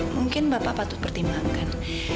mungkin bapak patut pertimbangkan